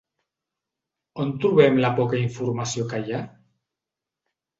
On trobem la poca informació que hi ha?